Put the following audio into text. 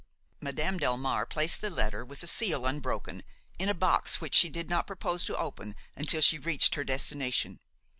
Madame Delmare placed the letter, with the seal unbroken, in a box which she did not propose to open until she reached her destination.